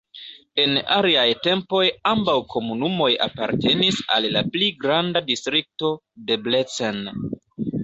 En aliaj tempoj ambaŭ komunumoj apartenis al la pli granda Distrikto Debrecen.